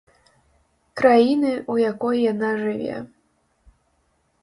Краіны, у якой яна жыве.